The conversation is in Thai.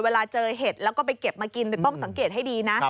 เวลาเจอเห็ดแล้วก็ไปเก็บมากินต้องสังเกตให้ดีนะ